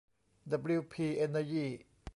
ดับบลิวพี เอ็นเนอร์ยี่